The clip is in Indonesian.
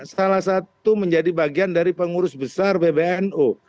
salah satu menjadi bagian dari pengurus besar pbnu